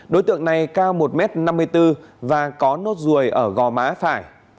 đối tượng này cao một m năm mươi bốn và có nốt ruồi ở gò má phải